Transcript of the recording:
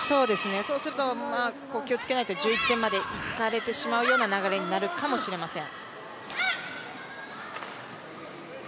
そうすると、気をつけないと１１点までいかれてしまうような流れになるかもしれません。